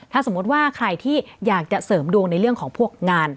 ถ้าสมมติว่าใครที่อยากจะเสริมดวงในเรื่องของพวกงาน